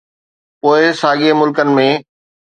پوء ساڳئي ملڪن ۾.